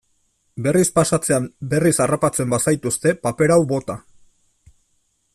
Berriz pasatzean berriz harrapatzen bazaituzte, paper hau bota.